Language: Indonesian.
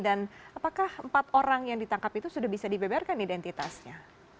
dan apakah empat orang yang ditangkap itu sudah bisa dibeberkan identitasnya